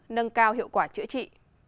nâng cao hiệu quả chữa trị